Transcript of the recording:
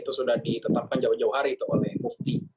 itu sudah ditetapkan jauh jauh hari itu oleh mufti